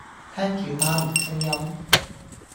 聽住媽咪聲音